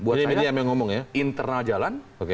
buat saya internal jalan